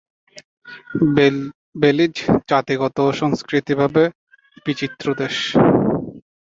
Belize জাতিগত ও সাংস্কৃতিকভাবে বিচিত্র দেশ।